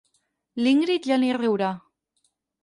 L'Ingrid ja ni riurà.